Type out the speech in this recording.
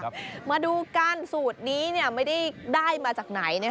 มาดูกันสูตรนี้ไม่ได้ได้มาจากไหน